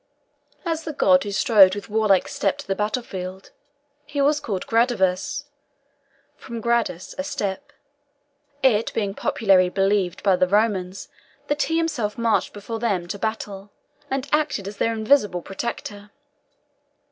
As the god who strode with warlike step to the battlefield, he was called Gradivus (from gradus, a step), it being popularly believed by the Romans that he himself marched before them to battle, and acted as their invisible protector.